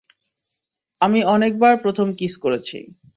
আমি অনেকবার প্রথম কিস করেছি।